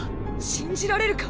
信じられるか？